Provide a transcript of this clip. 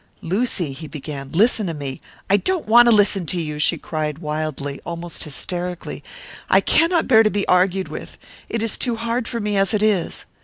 "Lucy," he began, "listen to me " "I don't want to listen to you," she cried wildly almost hysterically. "I cannot bear to be argued with. It is too hard for me as it is!"